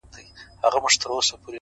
پښتې ستري تر سترو؛ استثناء د يوې گوتي؛